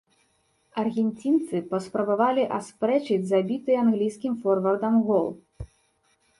Аргенцінцы паспрабавалі аспрэчыць забіты англійскім форвардам гол.